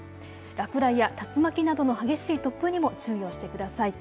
落雷や竜巻などの激しい突風にも注意をしてください。